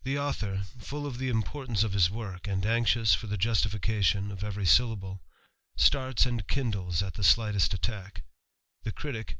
author, full of the importance of his work, and 1 for the justification of every syllable, starts and at the shghtest attack ; the critic!